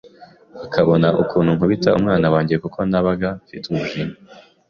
akabona ukuntu nkubita umwana wanjye kuko nabaga mfite umujinya